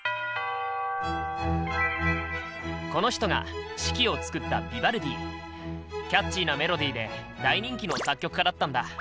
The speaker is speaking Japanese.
この人が「四季」を作ったキャッチーなメロディーで大人気の作曲家だったんだ。